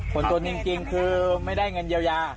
ส่วนตัวจริงคือไม่ได้เงินเยียวยา